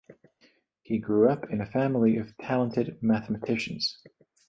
He grew up in a family of talented mathematicians.